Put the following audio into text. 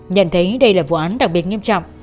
nhận thấy đây là vụ án đặc biệt nghiêm trọng